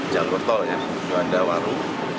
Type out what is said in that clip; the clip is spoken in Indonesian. jalur tol ya juanda waru